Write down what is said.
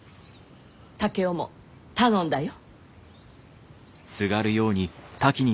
竹雄も頼んだよ。